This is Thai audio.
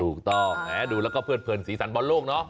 ถูกต้องดูแล้วก็เพื่อนสีสันบอลโลกเนาะ